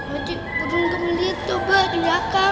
masih belum kelihatan pak tidak akan